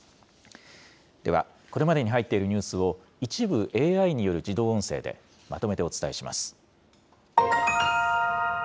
では、これまでに入っているニュースを一部ＡＩによる自動音声でまとめてお伝えします。